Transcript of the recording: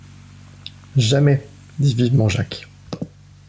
Jamais ! dit vivement Jacques.